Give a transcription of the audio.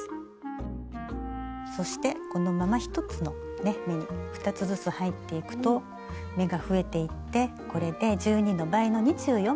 そしてこのまま１つのね目に２つずつ入っていくと目が増えていってこれで１２の倍の２４目に増えました。